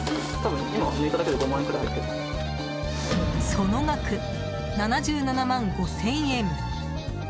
その額、７７万５０００円！